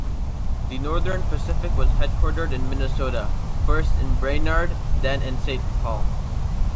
The Northern Pacific was headquartered in Minnesota, first in Brainerd, then in Saint Paul.